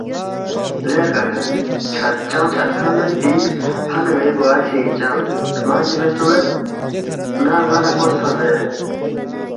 ”لے رگاکھن چنگ چھدکھہ میدپی ہنہ ن٘ئی بوا سی چنگ ہرمنگ چی بیاسفا مید، نہ ن٘یا لہ کوسفا مید